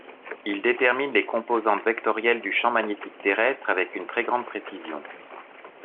Il détermine les composantes vectorielles du champ magnétique terrestre avec une très grande précision.